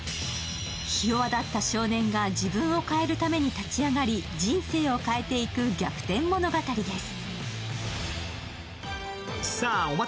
ひ弱だった少年が自分を変えるために立ち上がり人生を変えていく逆転物語です。